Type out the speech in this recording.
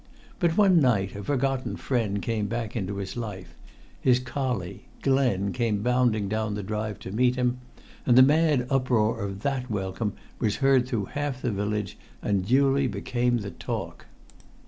But one night a forgotten friend came back into his life: his collie, Glen, came bounding down the drive to meet him, and the mad uproar of that welcome was heard through half the village, and duly became the talk.